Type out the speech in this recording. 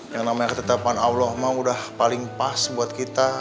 yang namanya ketetapan allah mah udah paling pas buat kita